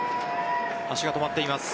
足が止まっています。